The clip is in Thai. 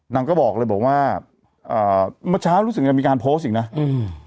นางก็บอกเลยบอกว่าในเมื่อเช้ารู้สึกจะมีการโพิชค์อีก